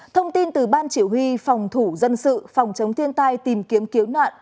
thông tin từ ban chỉ huy phòng thủ dân sự phòng chống thiên tai tìm kiếm cứu nạn